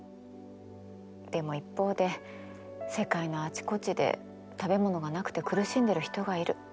でも一方で世界のあちこちで食べ物がなくて苦しんでる人がいる。